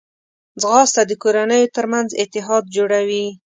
ځغاسته د کورنیو ترمنځ اتحاد جوړوي